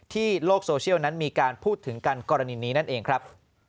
โลกโซเชียลนั้นมีการพูดถึงกันกรณีนี้นั่นเองครับ